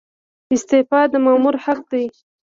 استعفا د مامور حق دی